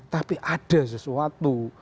tapi ada sesuatu